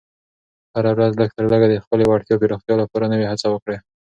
هره ورځ لږ تر لږه د خپلې وړتیا پراختیا لپاره نوې هڅه وکړه.